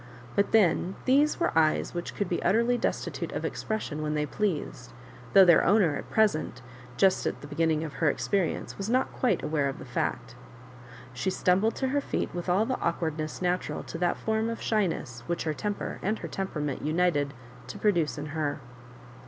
But then these were eyes which could be utterly destitute of expression when they pleased, though their owner, at present just at the beginning of her experience, was not quite aware of the fact. She stumbled to her feet with all the awkward ness natural to that form of shyness which her temper and her temperament united to produce in her.